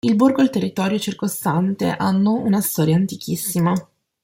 Il borgo e il territorio circostante hanno una storia antichissima.